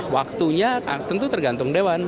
waktunya tentu tergantung dewan